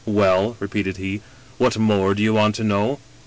" Well," repeated he, " what more do you want to know